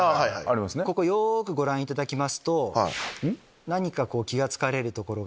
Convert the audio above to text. ここよくご覧いただきますと何か気が付かれるところが。